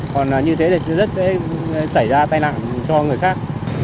còn như thế thì sẽ xảy ra tai nạn cho người khác